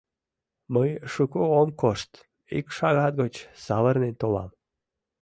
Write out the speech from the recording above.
Мый шуко ом кошт, ик шагат гыч савырнен толам.